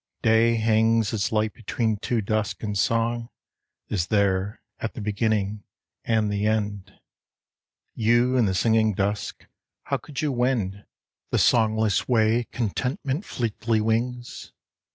Day hangs its light between two dusks, and song Is there at the beginning and the end. 70 IN THE DUSK 71 You, in the singing dusk, how could you wend The songless way Contentment fleetly wings?